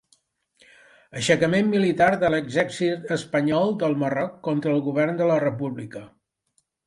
Aixecament militar de l'exèrcit espanyol del Marroc contra el govern de la República.